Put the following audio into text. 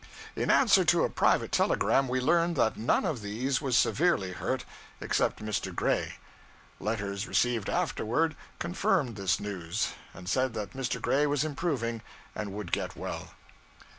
In answer to a private telegram, we learned that none of these was severely hurt, except Mr. Gray. Letters received afterward confirmed this news, and said that Mr. Gray was improving and would get well.